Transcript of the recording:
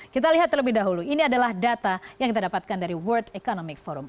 kita lihat terlebih dahulu ini adalah data yang kita dapatkan dari world economic forum